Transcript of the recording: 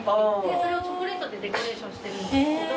それをチョコレートでデコレーションしてるんですけど。